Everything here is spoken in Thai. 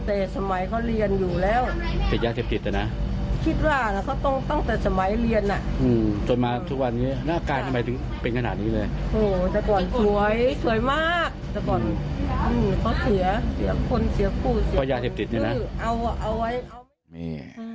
เอาไว้เอาไว้เอาไว้เอาไว้